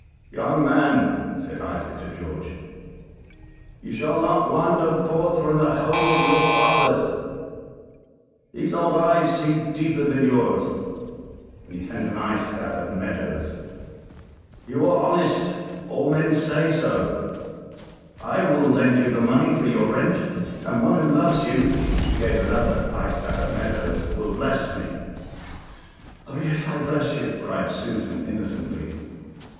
"Young man," said Isaac to George, "you shall not wander forth from the home of your fathers. These old eyes see deeper than yours (and he sent an eye stab at Meadows); you are honest all men say so I will lend you the money for your rent, and one who loves you (and he gave another eye stab at Meadows) will bless me." "Oh! yes, I bless you," cried Susan innocently.